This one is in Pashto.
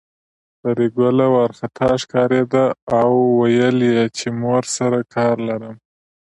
پري ګله وارخطا ښکارېده او ويل يې چې مور سره کار لرم